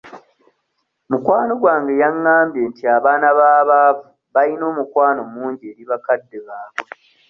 Mukwano gwange yangambye nti abaana b'abaavu bayina omukwano mungi eri bakadde baabwe.